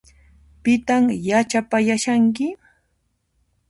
Pitan yachapayashanki?